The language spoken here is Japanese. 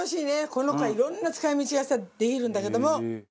この子はいろんな使い道がさできるんだけども。